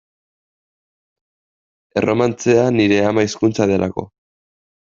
Erromantzea nire ama hizkuntza delako.